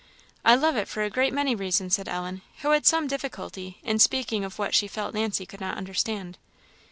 "I love it for a great many reasons," said Ellen, who had some difficulty in speaking of what she felt Nancy could not understand.